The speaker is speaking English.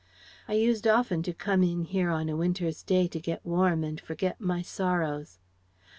I used often to come in here on a winter's day to get warm and to forget my sorrows....